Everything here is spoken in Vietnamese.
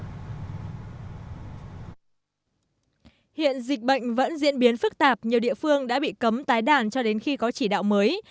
hiện dịch bệnh vẫn diễn biến phức tạp nhiều địa phương đã bị cấm tái đàn cho đến khi có chỉ đạo mới